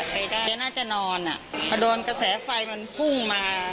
เจ๊ก็ถัดไปได้เจ๊น่าจะนอนอ่ะพอโดนกระแสไฟมันพุ่งมา